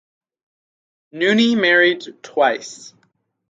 Nuni married twice.